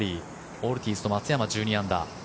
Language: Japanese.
オルティーズと松山１２アンダー。